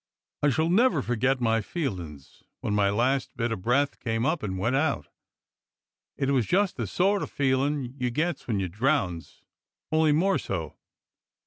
I shall never forget my feelin's when my last bit of breath came up and went out. It was just the sort o' feelin' you gets when you drowns, only more so.